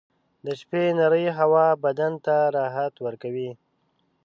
• د شپې نرۍ هوا بدن ته راحت ورکوي.